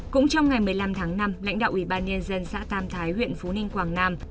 cũng trong ngày một mươi năm tháng năm lãnh đạo ủy ban nhân dân xã tam thái huyện phú ninh quảng nam